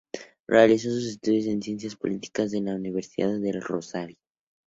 Realizó sus estudios de ciencias políticas en la Universidad del Rosario.